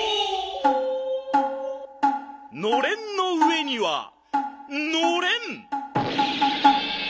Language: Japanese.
のれんの上にはのれん！